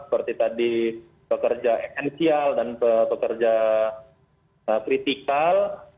seperti tadi pekerja esensial dan pekerja kritikal